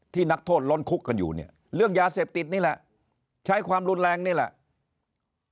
นักโทษล้นคุกกันอยู่เนี่ยเรื่องยาเสพติดนี่แหละใช้ความรุนแรงนี่แหละ